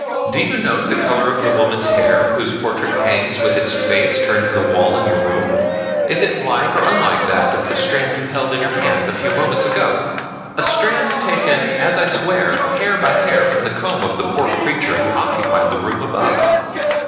Do you note the color of the woman's hair whose portrait hangs with its face turned to the wall in your room? Is it like or unlike that of the strand you held in your hand a few moments ago; a strand taken as I swear, hair by hair from the comb of the poor creature who occupied the room above.